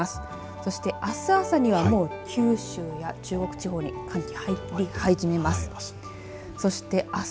そしてあす朝にはもう九州や中国地方に寒気入り始めます。